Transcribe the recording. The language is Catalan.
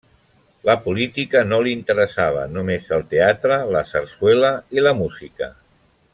La política no li interessava, només el teatre, la sarsuela i la música.